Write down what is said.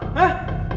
tidak dia bawa wulan